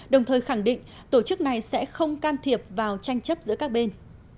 đồng thời khẳng định tổ chức này sẽ không can thiệp vào tranh chấp giữa các bên